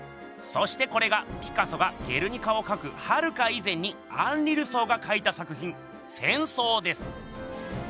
そしてこれがピカソが「ゲルニカ」をかくはるか以前にアンリ・ルソーがかいた作品「戦争」です！